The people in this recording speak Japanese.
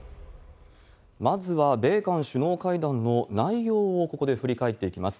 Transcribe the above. まずは米韓首脳会談の内容をここで振り返っていきます。